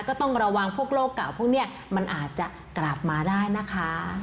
ก็ต้องระวังพวกโรคเก่าพวกนี้มันอาจจะกลับมาได้นะคะ